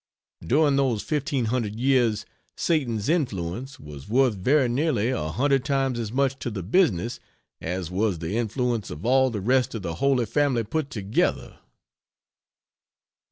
During those 1500 years, Satan's influence was worth very nearly a hundred times as much to the business as was the influence of all the rest of the Holy Family put together.